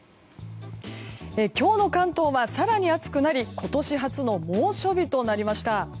今日の関東は更に暑くなり今年初の猛暑日となりました。